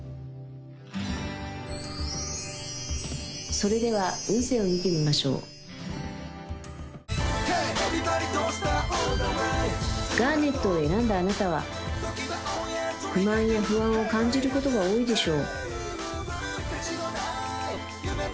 それでは運勢を見てみましょうガーネットを選んだあなたは不満や不安を感じることが多いでしょう